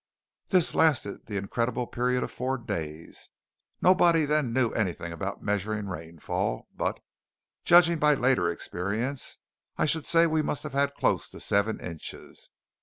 This lasted the incredible period of four days! Nobody then knew anything about measuring rainfall; but, judging by later experience, I should say we must have had close to seven inches.